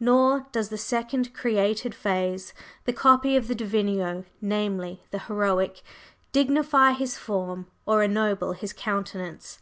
Nor does the second created phase the copy of the Divine namely, the Heroic, dignify his form or ennoble his countenance.